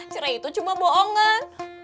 cerai itu cuma boongan